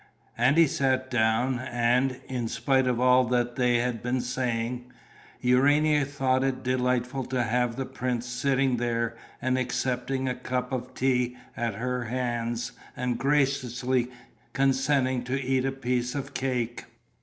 And he sat down; and, in spite of all that they had been saying, Urania thought it delightful to have the prince sitting there and accepting a cup of tea at her hands and graciously consenting to eat a piece of cake.